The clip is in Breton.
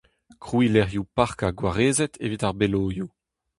Krouiñ lec'hioù parkañ gwarezet evit ar beloioù.